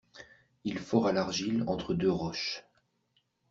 Il fora l'argile entre deux roches.